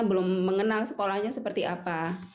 belum mengenal sekolahnya seperti apa